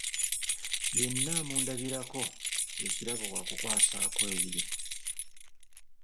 Yenna amundabirako, ekirabo wa kukwasaako ebiri.